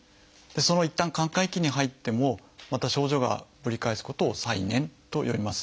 いったん寛解期に入ってもまた症状がぶり返すことを「再燃」と呼びます。